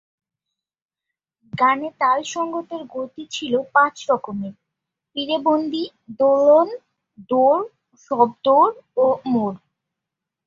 গানে তাল সঙ্গতের গতি ছিল পাঁচ রকমের পিড়েবন্দি, দোলন, দৌড়, সবদৌড় ও মোড়।